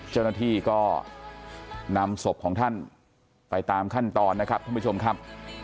เจ้าหน้าที่ก็นำศพของท่านไปตามขั้นตอนนะครับท่านผู้ชมครับ